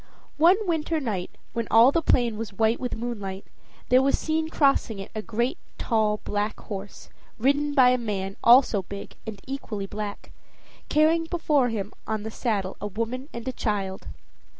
One winter night, when all the plain was white with moonlight, there was seen crossing it a great tall black horse, ridden by a man also big and equally black, carrying before him on the saddle a woman and a child.